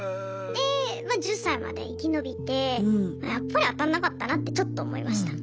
でまあ１０歳まで生き延びてやっぱり当たんなかったなってちょっと思いました。